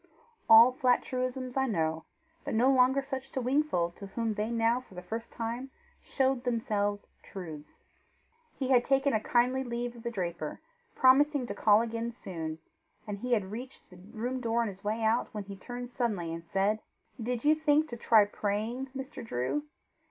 All flat truisms I know, but no longer such to Wingfold to whom they now for the first time showed themselves truths. He had taken a kindly leave of the draper, promising to call again soon, and had reached the room door on his way out, when he turned suddenly and said, "Did you think to try praying, Mr. Drew?